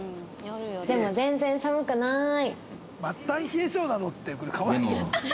でも全然寒くない。